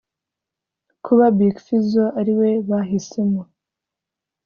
Kuba Big Fizzo ariwe bahisemo